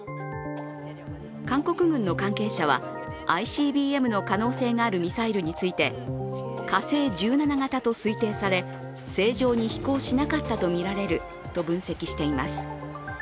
韓国軍の関係者は、ＩＣＢＭの可能性があるミサイルについて火星１７型と推定され、正常に飛行しなかったとみられると分析しています。